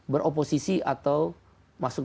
beroposisi atau masuk